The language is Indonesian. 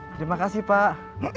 terima kasih pak